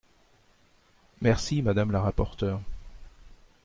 Merci, madame la rapporteure.